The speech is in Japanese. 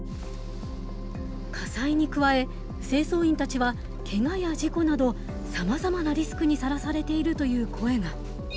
火災に加え清掃員たちはけがや事故などさまざまなリスクにさらされているという声が。